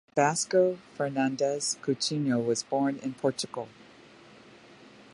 Vasco Fernandes Coutinho was born in Portugal.